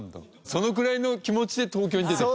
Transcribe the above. そのくらいの気持ちで東京に出てきたんだ？